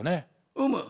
うむ。